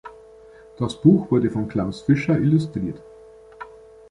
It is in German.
Das Buch wurde von Klaus Fischer illustriert.